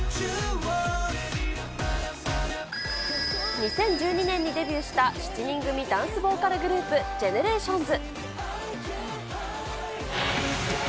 ２０１２年にデビューした、７人組ダンスボーカルグループ、ＧＥＮＥＲＡＴＩＯＮＳ。